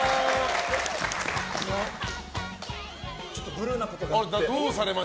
ちょっとブルーなことがあって。